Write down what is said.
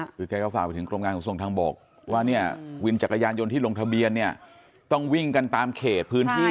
คือแกก็ฝากไปถึงกรมการขนส่งทางบกว่าเนี่ยวินจักรยานยนต์ที่ลงทะเบียนเนี่ยต้องวิ่งกันตามเขตพื้นที่